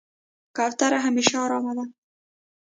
کوتره همیشه آرامه ده.